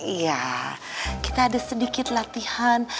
iya kita ada sedikit latihan